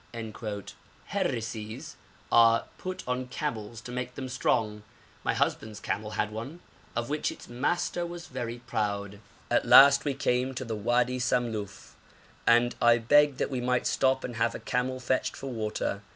Herrises are put on camels to make them strong; my husband's camel had one, of which its master was very proud. At last we came to the Wadi Samluf, and I begged that we might stop and have a camel fetched for water.